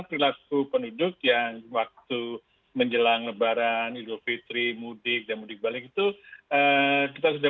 perilaku penduduk yang waktu menjelang lebaran idul fitri mudik dan mudik balik itu kita sudah